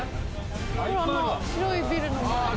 ほらあの白いビルの前。